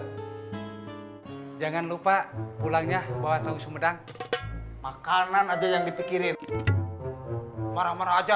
hai jangan lupa pulangnya membawa tahu sumedang makanan aja yang dipikirin marah marah aja